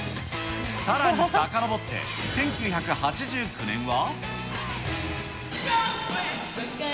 さらにさかのぼって１９８９年は。